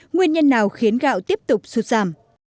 nguyên nhân nào khiến gạo tiếp tục sụt giảm